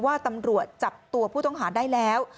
ว่าตำรวจจับตัวผู้ต้องหาได้แล้ว